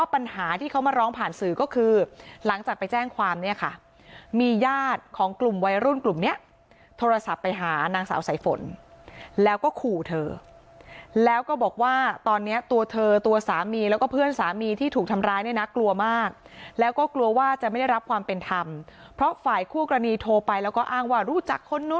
ปัญหาที่เขามาร้องผ่านสื่อก็คือหลังจากไปแจ้งความเนี่ยค่ะมีญาติของกลุ่มวัยรุ่นกลุ่มเนี้ยโทรศัพท์ไปหานางสาวสายฝนแล้วก็ขู่เธอแล้วก็บอกว่าตอนนี้ตัวเธอตัวสามีแล้วก็เพื่อนสามีที่ถูกทำร้ายเนี่ยนะกลัวมากแล้วก็กลัวว่าจะไม่ได้รับความเป็นธรรมเพราะฝ่ายคู่กรณีโทรไปแล้วก็อ้างว่ารู้จักคนน